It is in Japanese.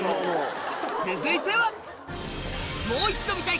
続いては！